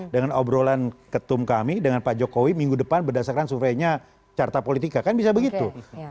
dengan obrolan ketum kami dengan pak jokowi minggu depan berdasarkan surveinya carta politika kan bisa begitu